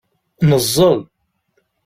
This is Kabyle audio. Neẓẓel.